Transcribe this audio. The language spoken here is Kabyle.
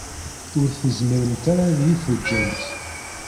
Ur tezmiremt ara ad iyi-teǧǧemt.